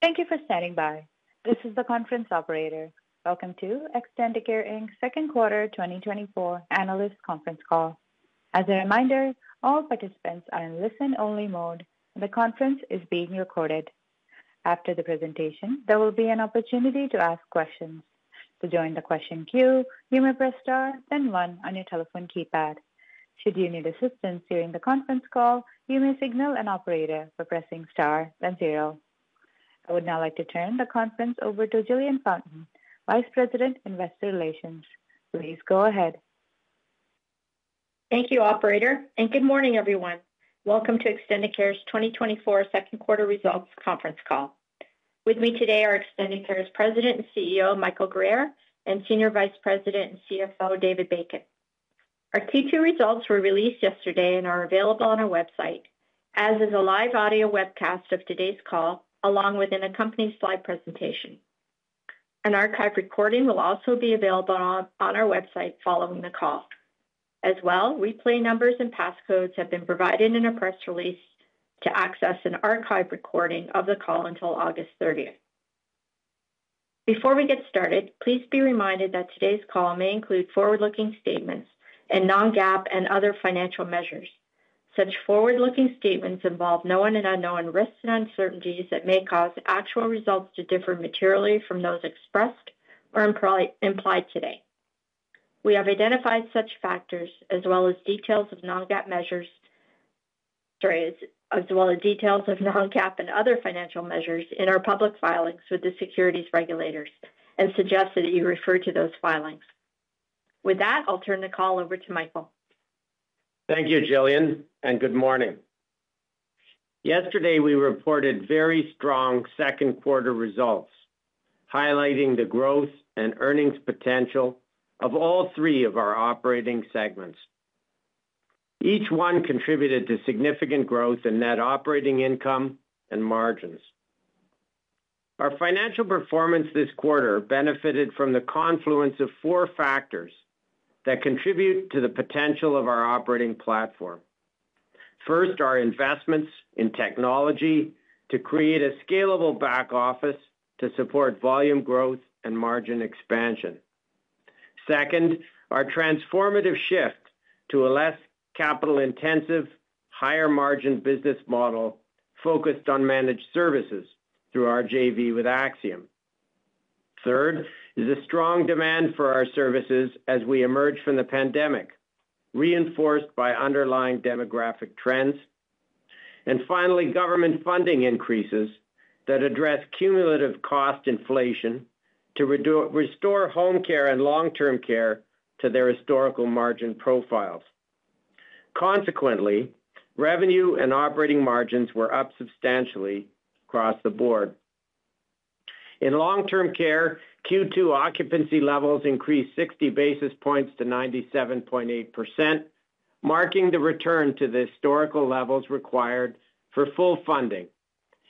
Thank you for standing by. This is the conference operator. Welcome to Extendicare Inc's Second Quarter 2024 Analyst Conference Call. As a reminder, all participants are in listen-only mode, and the conference is being recorded. After the presentation, there will be an opportunity to ask questions. To join the question queue, you may press star, then one on your telephone keypad. Should you need assistance during the conference call, you may signal an operator by pressing star then zero. I would now like to turn the conference over to Jillian Fountain, Vice President, Investor Relations. Please go ahead. Thank you, operator, and good morning, everyone. Welcome to Extendicare's 2024 Second Quarter Results Conference Call. With me today are Extendicare's President and CEO, Michael Guerriere, and Senior Vice President and CFO, David Bacon. Our Q2 results were released yesterday and are available on our website, as is a live audio webcast of today's call, along with an accompanying slide presentation. An archive recording will also be available on our website following the call. As well, replay numbers and passcodes have been provided in a press release to access an archive recording of the call until August 30th. Before we get started, please be reminded that today's call may include forward-looking statements and non-GAAP and other financial measures. Such forward-looking statements involve known and unknown risks and uncertainties that may cause actual results to differ materially from those expressed or implied today. We have identified such factors as well as details of non-GAAP measures, sorry, as, as well as details of non-GAAP and other financial measures in our public filings with the securities regulators and suggest that you refer to those filings. With that, I'll turn the call over to Michael. Thank you, Jillian, and good morning. Yesterday, we reported very strong second quarter results, highlighting the growth and earnings potential of all three of our operating segments. Each one contributed to significant growth in net operating income and margins. Our financial performance this quarter benefited from the confluence of four factors that contribute to the potential of our operating platform. First, our investments in technology to create a scalable back office to support volume growth and margin expansion. Second, our transformative shift to a less capital-intensive, higher margin business model focused on managed services through our JV with Axium. Third is a strong demand for our services as we emerge from the pandemic, reinforced by underlying demographic trends. And finally, government funding increases that address cumulative cost inflation to restore home care and Long-term Care to their historical margin profiles. Consequently, revenue and operating margins were up substantially across the board. In Long-term Care, Q2 occupancy levels increased 60 basis points to 97.8%, marking the return to the historical levels required for full funding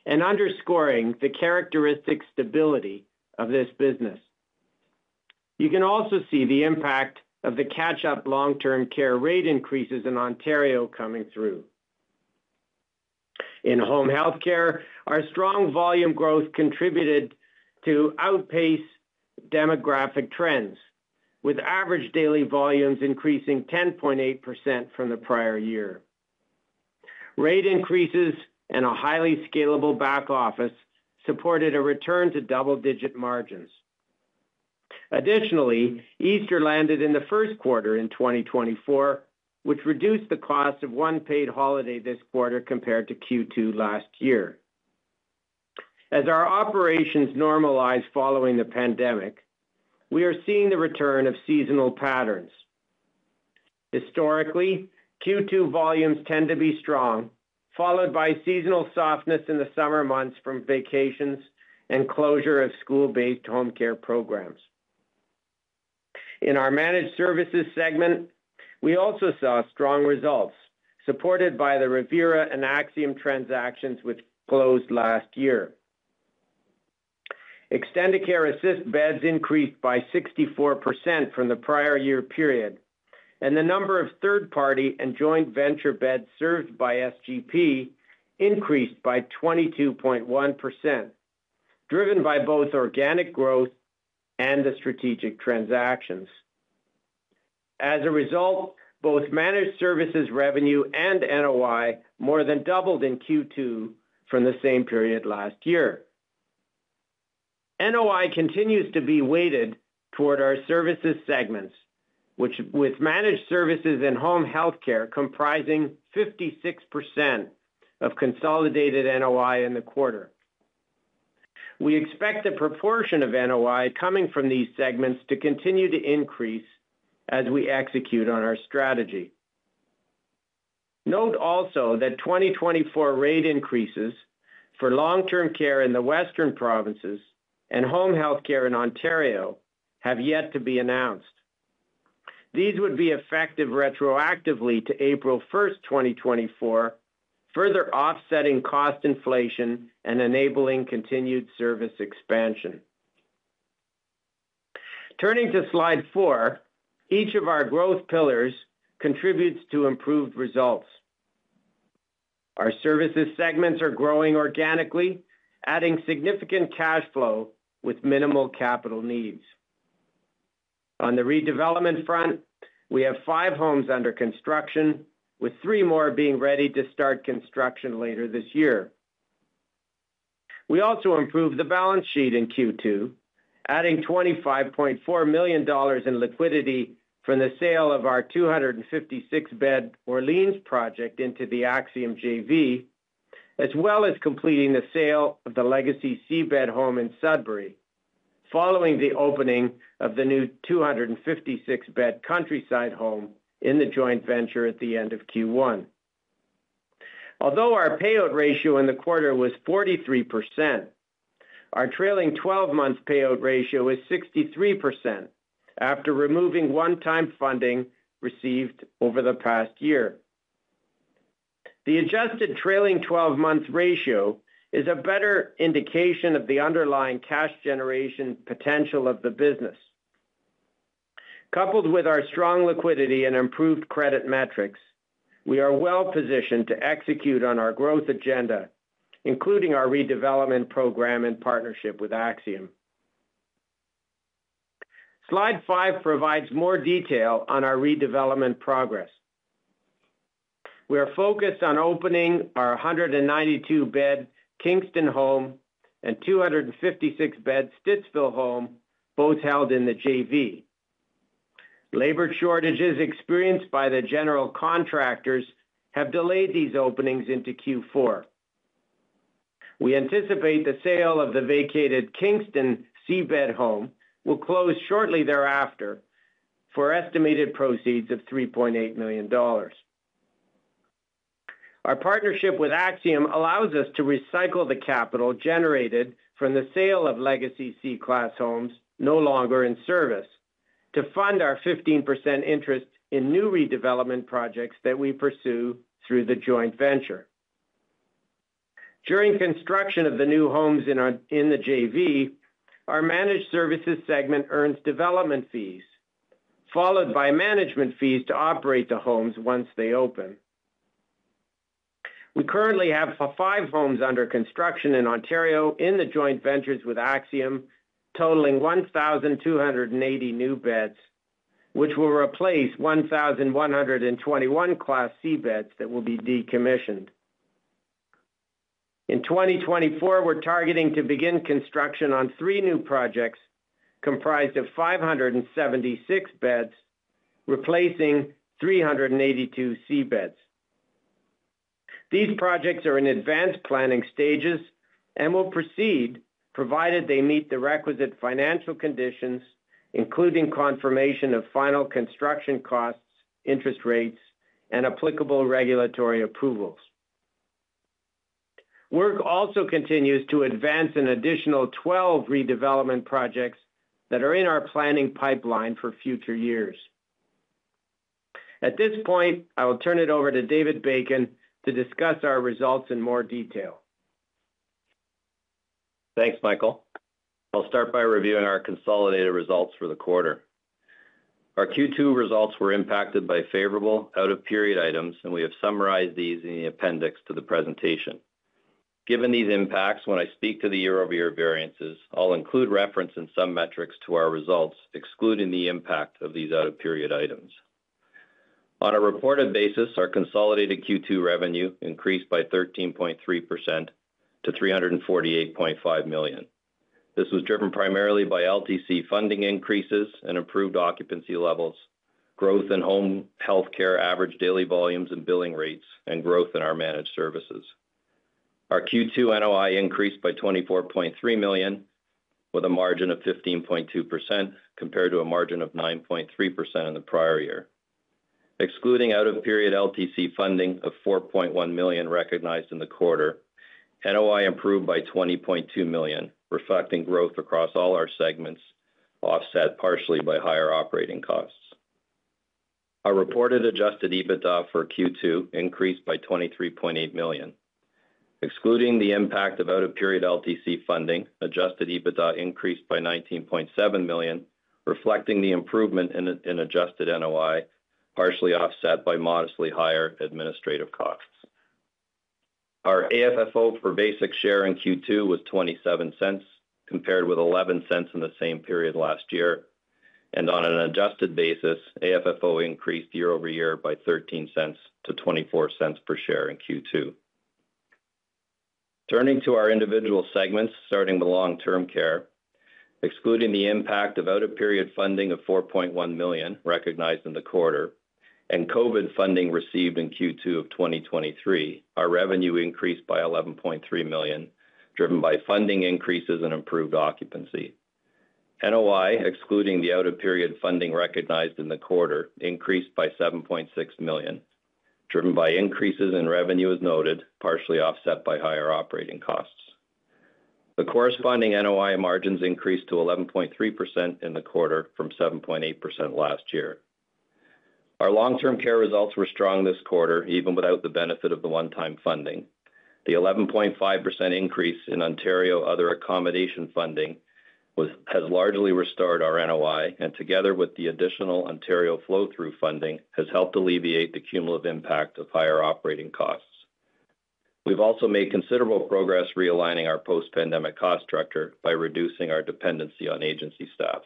and underscoring the characteristic stability of this business. You can also see the impact of the catch-up Long-term Care rate increases in Ontario coming through. In Home Healthcare, our strong volume growth contributed to outpace demographic trends, with average daily volumes increasing 10.8% from the prior year. Rate increases and a highly scalable back office supported a return to double-digit margins. Additionally, Easter landed in the first quarter in 2024, which reduced the cost of one paid holiday this quarter compared to Q2 last year. As our operations normalize following the pandemic, we are seeing the return of seasonal patterns. Historically, Q2 volumes tend to be strong, followed by seasonal softness in the summer months from vacations and closure of school-based home care programs. In our managed services segment, we also saw strong results, supported by the Revera and Axium transactions, which closed last year. Extendicare Assist beds increased by 64% from the prior-year period, and the number of third-party and joint venture beds served by SGP increased by 22.1%, driven by both organic growth and the strategic transactions. As a result, both managed services revenue and NOI more than doubled in Q2 from the same period last year. NOI continues to be weighted toward our services segments, which, with managed services and Home Healthcare comprising 56% of consolidated NOI in the quarter. We expect the proportion of NOI coming from these segments to continue to increase as we execute on our strategy. Note also that 2024 rate increases for Long-term Care in the western provinces and Home Healthcare in Ontario have yet to be announced. These would be effective retroactively to April 1st, 2024, further offsetting cost inflation and enabling continued service expansion. Turning to slide 4, each of our growth pillars contributes to improved results. Our services segments are growing organically, adding significant cash flow with minimal capital needs. On the redevelopment front, we have five homes under construction, with three more being ready to start construction later this year. We also improved the balance sheet in Q2, adding 25.4 million dollars in liquidity from the sale of our 256-bed Orléans project into the Axium JV, as well as completing the sale of the legacy C bed home in Sudbury, following the opening of the new 256-bed Countryside home in the joint venture at the end of Q1. Although our payout ratio in the quarter was 43%, our trailing 12 months payout ratio is 63% after removing one-time funding received over the past year. The adjusted trailing 12-month ratio is a better indication of the underlying cash generation potential of the business. Coupled with our strong liquidity and improved credit metrics, we are well positioned to execute on our growth agenda, including our redevelopment program in partnership with Axium. Slide 5 provides more detail on our redevelopment progress. We are focused on opening our 192-bed Kingston home and 256-bed Stittsville home, both held in the JV. Labor shortages experienced by the general contractors have delayed these openings into Q4. We anticipate the sale of the vacated Kingston C bed home will close shortly thereafter for estimated proceeds of 3.8 million dollars. Our partnership with Axium allows us to recycle the capital generated from the sale of legacy C class homes no longer in service, to fund our 15% interest in new redevelopment projects that we pursue through the joint venture. During construction of the new homes in the JV, our managed services segment earns development fees, followed by management fees to operate the homes once they open. We currently have five homes under construction in Ontario in the joint ventures with Axium, totaling 1,280 new beds, which will replace 1,121 Class C beds that will be decommissioned. In 2024, we're targeting to begin construction on three new projects comprised of 576 beds, replacing 382 C beds. These projects are in advanced planning stages and will proceed, provided they meet the requisite financial conditions, including confirmation of final construction costs, interest rates, and applicable regulatory approvals. Work also continues to advance an additional 12 redevelopment projects that are in our planning pipeline for future years. At this point, I will turn it over to David Bacon to discuss our results in more detail. Thanks, Michael. I'll start by reviewing our consolidated results for the quarter. Our Q2 results were impacted by favorable out-of-period items, and we have summarized these in the appendix to the presentation. Given these impacts, when I speak to the year-over-year variances, I'll include reference and some metrics to our results, excluding the impact of these out-of-period items. On a reported basis, our consolidated Q2 revenue increased by 13.3% to 348.5 million. This was driven primarily by LTC funding increases and improved occupancy levels, growth in home healthcare, average daily volumes and billing rates, and growth in our managed services. Our Q2 NOI increased by 24.3 million, with a margin of 15.2%, compared to a margin of 9.3% in the prior year. Excluding out-of-period LTC funding of 4.1 million recognized in the quarter, NOI improved by 20.2 million, reflecting growth across all our segments, offset partially by higher operating costs. Our reported adjusted EBITDA for Q2 increased by 23.8 million. Excluding the impact of out-of-period LTC funding, adjusted EBITDA increased by 19.7 million, reflecting the improvement in adjusted NOI, partially offset by modestly higher administrative costs. Our AFFO for basic share in Q2 was 0.27, compared with 0.11 in the same period last year, and on an adjusted basis, AFFO increased year-over-year by 0.13 to 0.24 per share in Q2. Turning to our individual segments, starting with Long-term Care, excluding the impact of out-of-period funding of 4.1 million recognized in the quarter and COVID funding received in Q2 of 2023, our revenue increased by 11.3 million, driven by funding increases and improved occupancy. NOI, excluding the out-of-period funding recognized in the quarter, increased by 7.6 million, driven by increases in revenue as noted, partially offset by higher operating costs. The corresponding NOI margins increased to 11.3% in the quarter from 7.8% last year. Our Long-term Care results were strong this quarter, even without the benefit of the one-time funding. The 11.5% increase in Ontario Other Accommodation funding has largely restored our NOI, and together with the additional Ontario flow-through funding, has helped alleviate the cumulative impact of higher operating costs. We've also made considerable progress realigning our post-pandemic cost structure by reducing our dependency on agency staff.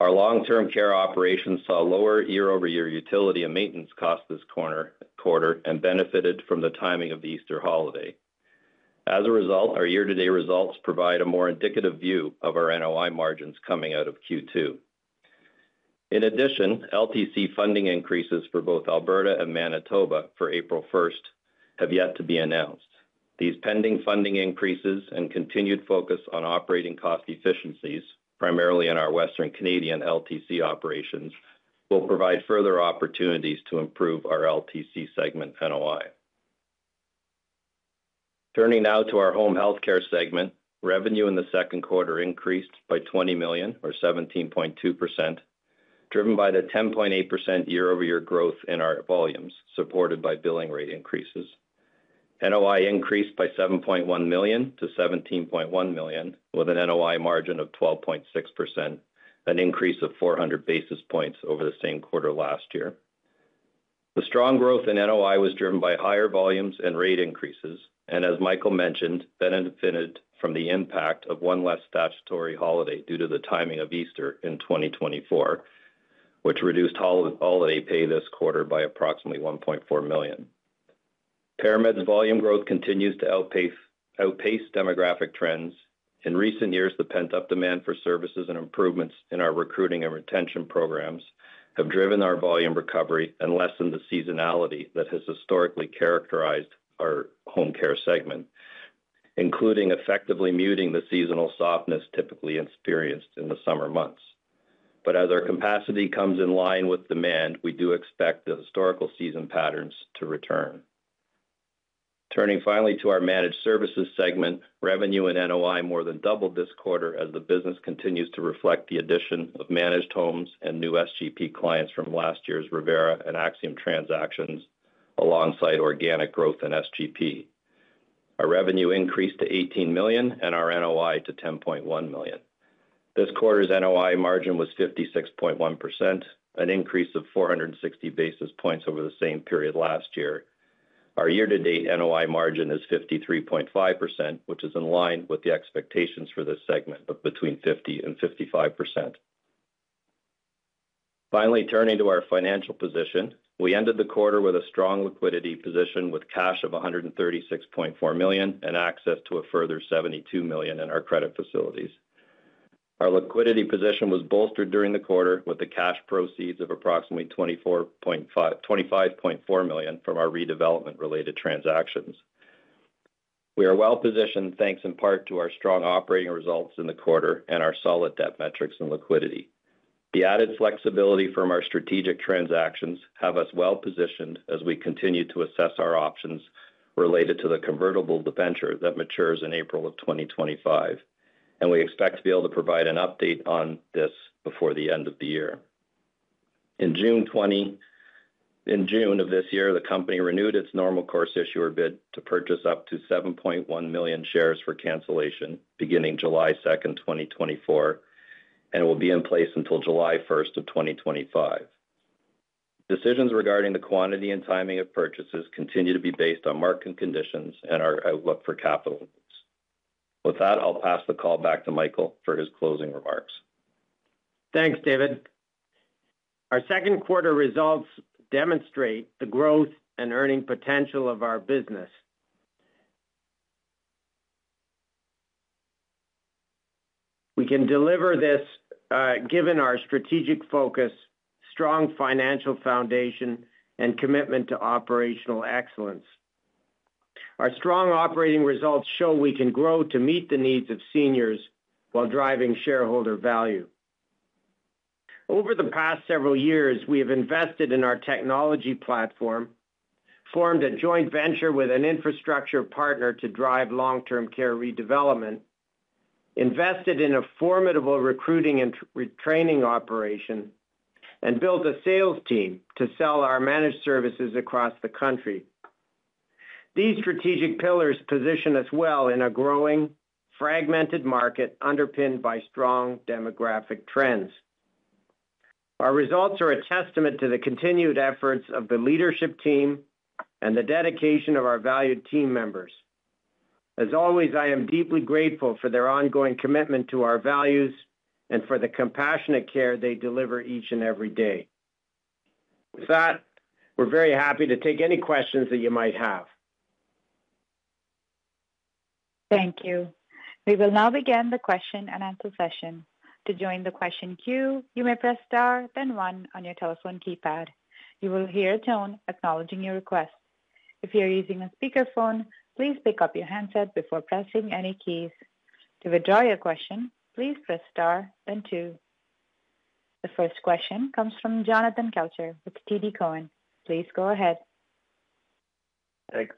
Our Long-term Care operations saw lower year-over-year utility and maintenance costs this quarter, and benefited from the timing of the Easter holiday. As a result, our year-to-date results provide a more indicative view of our NOI margins coming out of Q2. In addition, LTC funding increases for both Alberta and Manitoba for April 1st, have yet to be announced. These pending funding increases and continued focus on operating cost efficiencies, primarily in our Western Canadian LTC operations, will provide further opportunities to improve our LTC segment NOI. Turning now to our home healthcare segment. Revenue in the second quarter increased by 20 million, or 17.2%, driven by the 10.8% year-over-year growth in our volumes, supported by billing rate increases. NOI increased by 7.1 million to 17.1 million, with an NOI margin of 12.6%, an increase of 400 basis points over the same quarter last year. The strong growth in NOI was driven by higher volumes and rate increases, and as Michael mentioned, benefited from the impact of one less statutory holiday due to the timing of Easter in 2024, which reduced holiday pay this quarter by approximately 1.4 million. ParaMed's volume growth continues to outpace demographic trends. In recent years, the pent-up demand for services and improvements in our recruiting and retention programs have driven our volume recovery and lessened the seasonality that has historically characterized our home care segment, including effectively muting the seasonal softness typically experienced in the summer months. As our capacity comes in line with demand, we do expect the historical season patterns to return. Turning finally to our managed services segment, revenue and NOI more than doubled this quarter as the business continues to reflect the addition of managed homes and new SGP clients from last year's Revera and Axium transactions, alongside organic growth in SGP. Our revenue increased to 18 million and our NOI to 10.1 million. This quarter's NOI margin was 56.1%, an increase of 460 basis points over the same period last year. Our year-to-date NOI margin is 53.5%, which is in line with the expectations for this segment of between 50% and 55%. Finally, turning to our financial position. We ended the quarter with a strong liquidity position, with cash of 136.4 million and access to a further 72 million in our credit facilities. Our liquidity position was bolstered during the quarter with the cash proceeds of approximately 25.4 million from our redevelopment-related transactions. We are well positioned, thanks in part to our strong operating results in the quarter and our solid debt metrics and liquidity. The added flexibility from our strategic transactions have us well positioned as we continue to assess our options related to the convertible debenture that matures in April of 2025, and we expect to be able to provide an update on this before the end of the year. In June of this year, the company renewed its Normal Course Issuer Bid to purchase up to 7.1 million shares for cancellation beginning July 2nd, 2024, and will be in place until July 1st, 2025. Decisions regarding the quantity and timing of purchases continue to be based on market conditions and our outlook for capital. With that, I'll pass the call back to Michael for his closing remarks. Thanks, David. Our second quarter results demonstrate the growth and earning potential of our business. We can deliver this, given our strategic focus, strong financial foundation, and commitment to operational excellence. Our strong operating results show we can grow to meet the needs of seniors while driving shareholder value. Over the past several years, we have invested in our technology platform, formed a joint venture with an infrastructure partner to drive Long-term Care redevelopment, invested in a formidable recruiting and training operation, and built a sales team to sell our managed services across the country. These strategic pillars position us well in a growing, fragmented market, underpinned by strong demographic trends. Our results are a testament to the continued efforts of the leadership team and the dedication of our valued team members. As always, I am deeply grateful for their ongoing commitment to our values and for the compassionate care they deliver each and every day. With that, we're very happy to take any questions that you might have. Thank you. We will now begin the question-and-answer session. To join the question queue, you may press star, then One on your telephone keypad. You will hear a tone acknowledging your request. If you are using a speakerphone, please pick up your handset before pressing any keys. To withdraw your question, please press star, then Two. The first question comes from Jonathan Kelcher with TD Cowen. Please go ahead. Thanks,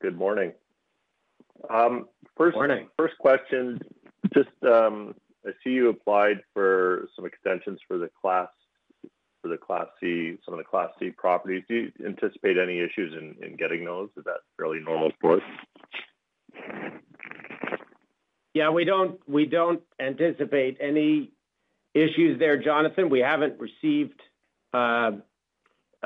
good morning. Morning. First question, just, I see you applied for some extensions for the Class C, some of the Class C properties. Do you anticipate any issues in getting those, or is that fairly normal course? Yeah, we don't, we don't anticipate any issues there, Jonathan. We haven't received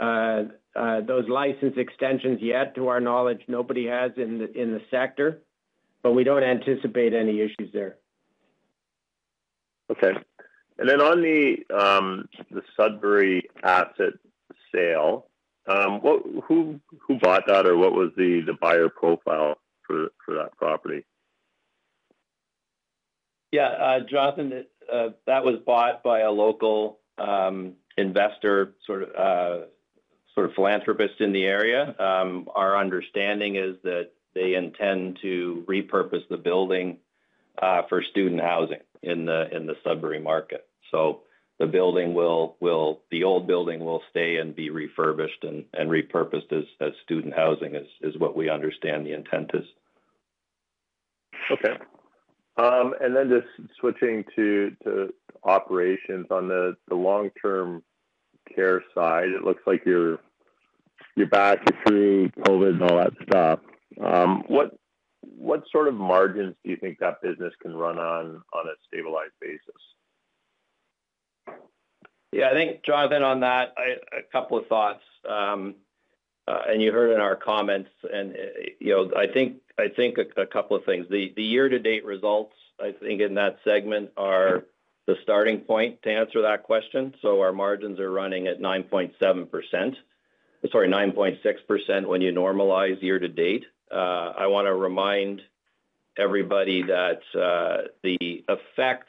those license extensions yet. To our knowledge, nobody has in the sector, but we don't anticipate any issues there. Okay. And then on the Sudbury asset sale, who bought that, or what was the buyer profile for that property? Yeah, Jonathan, that was bought by a local investor, sort of, sort of philanthropist in the area. Our understanding is that they intend to repurpose the building for student housing in the Sudbury market. So the building will, the old building will stay and be refurbished and repurposed as student housing, is what we understand the intent is. Okay. And then just switching to operations. On the Long-term Care side, it looks like you're back through COVID and all that stuff. What sort of margins do you think that business can run on a stabilized basis? Yeah, I think, Jonathan, on that, a couple of thoughts. And you heard in our comments and, you know, I think a couple of things. The year-to-date results, I think, in that segment are the starting point to answer that question. So our margins are running at 9.7%. Sorry, 9.6% when you normalize year-to-date. I wanna remind everybody that the effect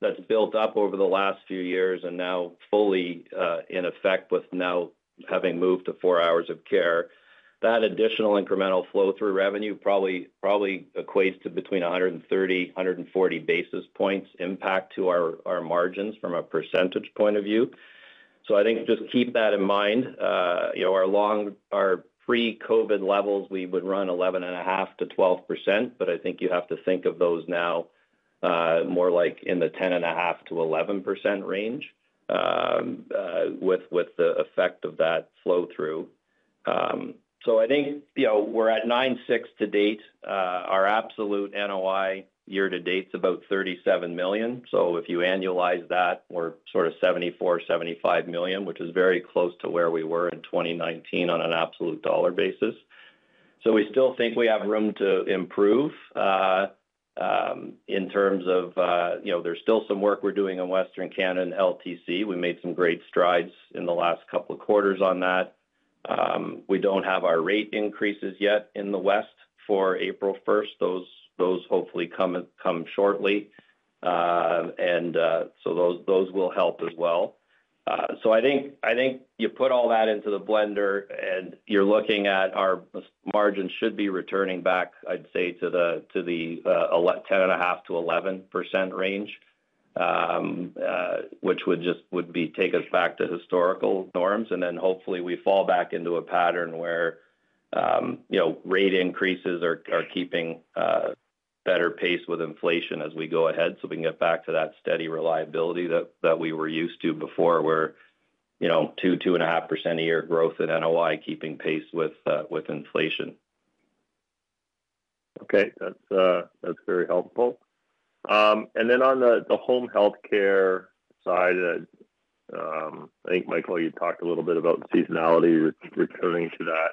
that's built up over the last few years and now fully in effect, with now having moved to four hours of care, that additional incremental flow-through revenue probably equates to between 130 basis points and 140 basis points impact to our margins from a percentage point of view. So I think just keep that in mind. You know, our pre-COVID levels, we would run 11.5%-12%, but I think you have to think of those now, more like in the 10.5%-11% range, with the effect of that flow-through. So I think, you know, we're at 9.6% to date. Our absolute NOI year to date is about 37 million. So if you annualize that, we're sort of 74 million-75 million, which is very close to where we were in 2019 on an absolute dollar basis. So we still think we have room to improve, in terms of, you know, there's still some work we're doing in Western Canada LTC. We made some great strides in the last couple of quarters on that. We don't have our rate increases yet in the West for April 1st. Those hopefully come shortly. So those will help as well. So I think you put all that into the blender, and you're looking at our margins should be returning back, I'd say, to the 10.5%-11% range, which would just take us back to historical norms, and then hopefully we fall back into a pattern where, you know, rate increases are keeping better pace with inflation as we go ahead, so we can get back to that steady reliability that we were used to before, where, you know, 2%-2.5% a year growth in NOI, keeping pace with inflation. Okay. That's very helpful. And then on the home healthcare side, I think, Michael, you talked a little bit about seasonality returning to that.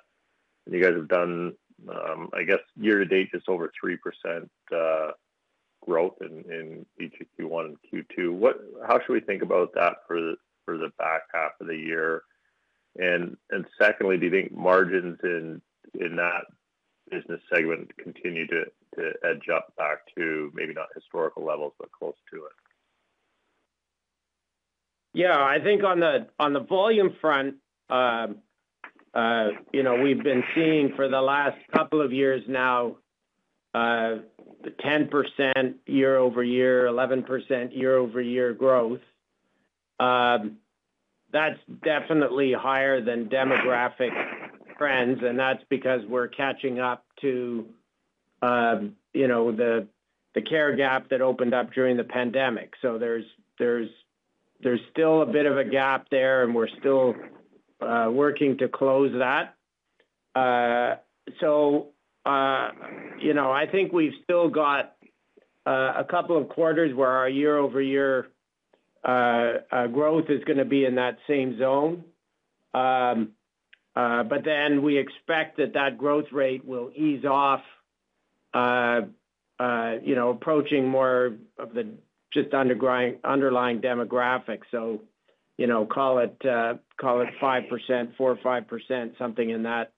You guys have done, I guess, year to date, just over 3% growth in each Q1 and Q2. How should we think about that for the back half of the year? And secondly, do you think margins in that business segment continue to edge up back to maybe not historical levels, but close to it? Yeah, I think on the volume front, you know, we've been seeing for the last couple of years now, the 10% year-over-year, 11% year-over-year growth. That's definitely higher than demographic trends, and that's because we're catching up to, you know, the care gap that opened up during the pandemic. So there's still a bit of a gap there, and we're still working to close that. So, you know, I think we've still got a couple of quarters where our year-over-year growth is gonna be in that same zone. But then we expect that that growth rate will ease off, you know, approaching more of the underlying demographics. So, you know, call it 5%, 4%-5%, something in that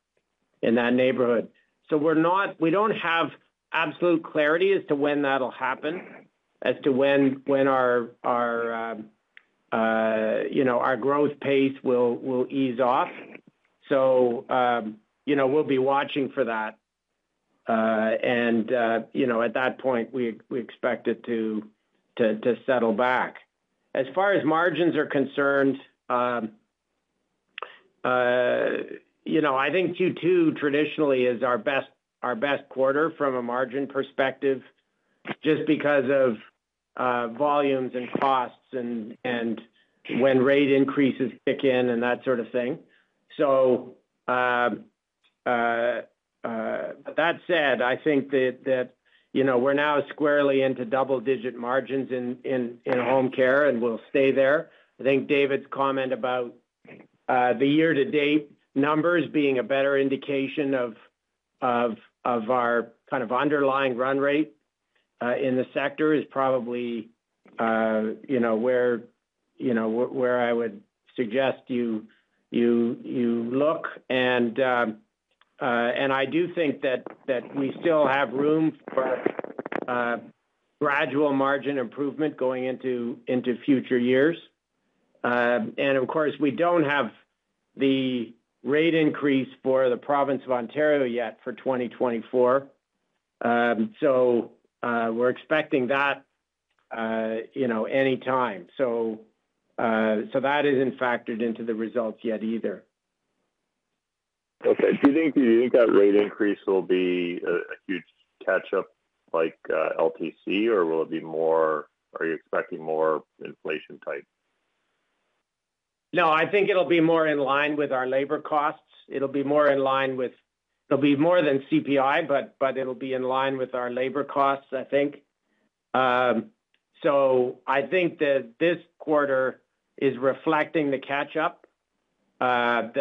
neighborhood. So we're not. We don't have absolute clarity as to when that'll happen, as to when our growth pace will ease off. So, you know, we'll be watching for that. And, you know, at that point, we expect it to settle back. As far as margins are concerned, you know, I think Q2 traditionally is our best quarter from a margin perspective, just because of volumes and costs and when rate increases kick in and that sort of thing. So, that said, I think that, you know, we're now squarely into double-digit margins in home care, and we'll stay there. I think David's comment about the year-to-date numbers being a better indication of our kind of underlying run rate in the sector is probably, you know, where I would suggest you look. And I do think that we still have room for gradual margin improvement going into future years. And, of course, we don't have the rate increase for the province of Ontario yet for 2024. So, we're expecting that, you know, any time. So that isn't factored into the results yet either. Okay. Do you think, do you think that rate increase will be a huge catch-up like LTC, or will it be more? Are you expecting more inflation type? No, I think it'll be more in line with our labor costs. It'll be more in line with, it'll be more than CPI, but it'll be in line with our labor costs, I think. So, I think that this quarter is reflecting the catch-up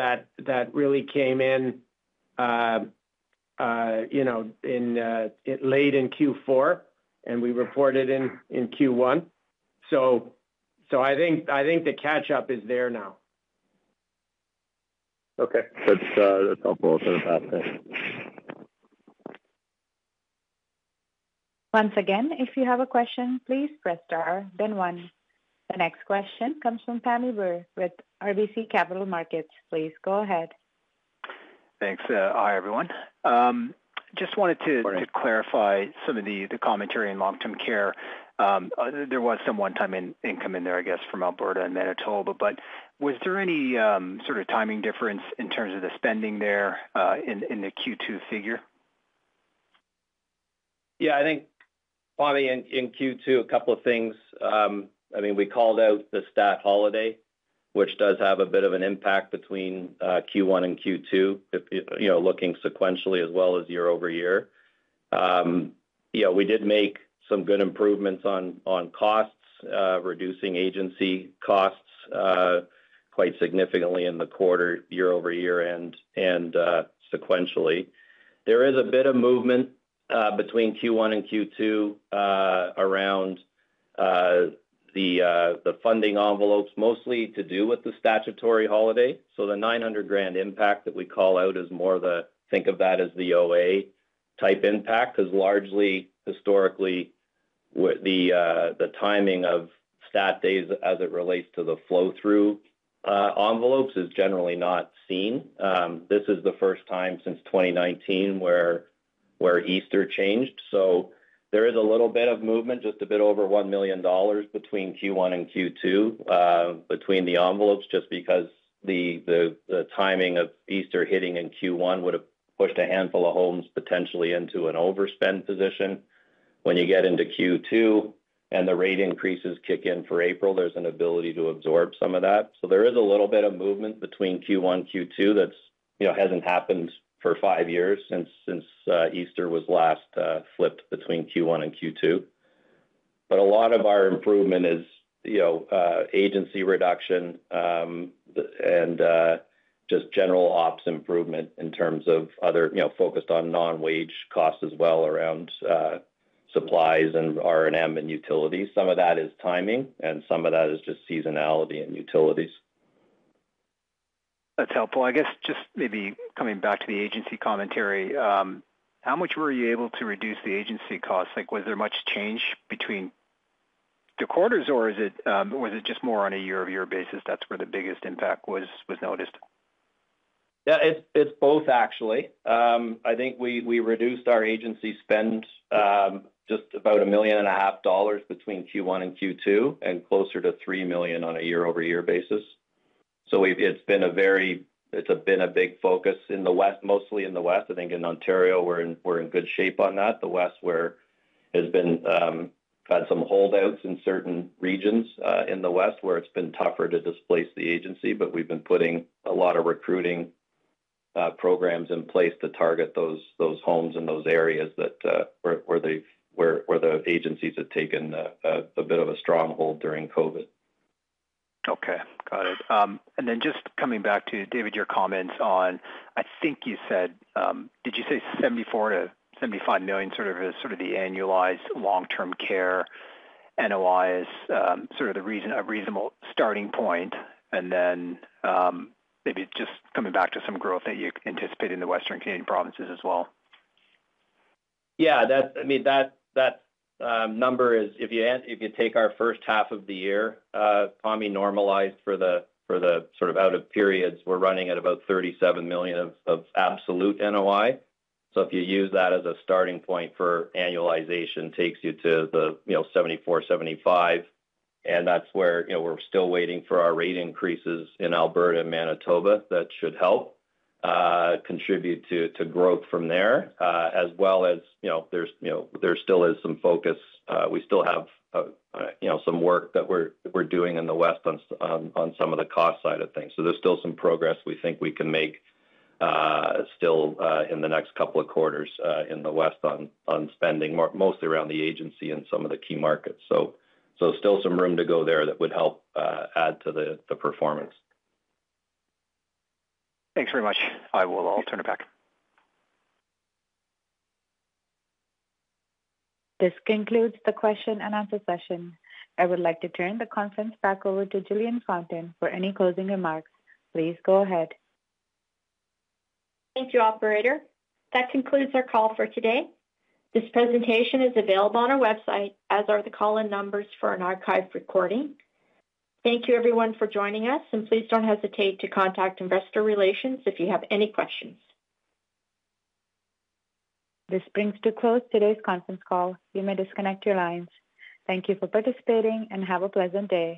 that really came in, you know, in late Q4, and we reported in Q1. So, I think the catch-up is there now. Okay. That's, that's helpful. I'll turn it back, thanks. Once again, if you have a question, please press star, then one. The next question comes from Tal Woolley with CIBC Capital Markets. Please go ahead. Thanks. Hi, everyone. Just wanted to clarify some of the commentary in Long-term Care. There was some one-time income in there, I guess, from Alberta and Manitoba. But was there any sort of timing difference in terms of the spending there in the Q2 figure? Yeah, I think, Tal, in Q2, a couple of things. I mean, we called out the stat holiday, which does have a bit of an impact between Q1 and Q2, if you know, looking sequentially as well as year-over-year. Yeah, we did make some good improvements on costs, reducing agency costs quite significantly in the quarter, year-over-year and sequentially. There is a bit of movement between Q1 and Q2 around the funding envelopes, mostly to do with the statutory holiday. So the 900,000 impact that we call out is more the, think of that as the OA type impact, 'cause largely, historically, with the timing of stat days as it relates to the flow-through envelopes is generally not seen. This is the first time since 2019 where Easter changed. So there is a little bit of movement, just a bit over 1 million dollars between Q1 and Q2, between the envelopes, just because the timing of Easter hitting in Q1 would have pushed a handful of homes potentially into an overspend position. When you get into Q2 and the rate increases kick in for April, there's an ability to absorb some of that. So there is a little bit of movement between Q1, Q2, that's, you know, hasn't happened for five years, since Easter was last flipped between Q1 and Q2. But a lot of our improvement is, you know, agency reduction, and just general ops improvement in terms of other, you know, focused on non-wage costs as well around supplies and R&M and utilities. Some of that is timing, and some of that is just seasonality and utilities. That's helpful. I guess just maybe coming back to the agency commentary, how much were you able to reduce the agency costs? Like, was there much change between the quarters, or is it, or is it just more on a year-over-year basis, that's where the biggest impact was noticed? Yeah, it's both, actually. I think we reduced our agency spend just about 1.5 million between Q1 and Q2, and closer to 3 million on a year-over-year basis. So we've. It's been a very big focus in the west, mostly in the West. I think in Ontario, we're in good shape on that. The West, where has been had some holdouts in certain regions in the West, where it's been tougher to displace the agency, but we've been putting a lot of recruiting programs in place to target those homes in those areas that where the agencies have taken a bit of a stronghold during COVID. Okay, got it. And then just coming back to, David, your comments on, I think you said, did you say 74 million-75 million, sort of, is sort of the annualized Long-term Care NOIs, sort of a reasonable starting point? And then, maybe just coming back to some growth that you anticipate in the western Canadian provinces as well. Yeah, I mean, that number is, if you take our first half of the year, Tal, normalized for the sort of out of periods, we're running at about 37 million of absolute NOI. So if you use that as a starting point for annualization, takes you to the, you know, 74 million-75 million, and that's where, you know, we're still waiting for our rate increases in Alberta and Manitoba. That should help contribute to growth from there, as well as, you know, there's, you know, there still is some focus. We still have, you know, some work that we're doing in the West on some of the cost side of things. So there's still some progress we think we can make, still, in the next couple of quarters, in the West on spending, mostly around the agency and some of the key markets. So still some room to go there that would help add to the performance. Thanks very much. I will return it back. This concludes the question-and-answer session. I would like to turn the conference back over to Jillian Fountain for any closing remarks. Please go ahead. Thank you, operator. That concludes our call for today. This presentation is available on our website, as are the call-in numbers for an archived recording. Thank you, everyone, for joining us, and please don't hesitate to contact investor relations if you have any questions. This brings to a close today's conference call. You may disconnect your lines. Thank you for participating, and have a pleasant day.